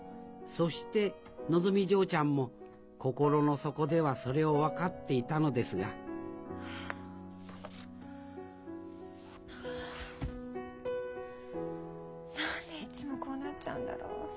そしてのぞみ嬢ちゃんも心の底ではそれを分かっていたのですが何でいつもこうなっちゃうんだろう？